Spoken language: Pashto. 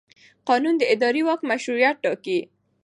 قانون د اداري واک مشروعیت ټاکي.